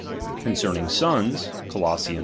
Concerning sons (Colos. iii.